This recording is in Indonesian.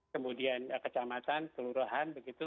kemudian kecamatan kelurahan begitu